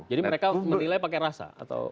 jadi mereka menilai pakai rasa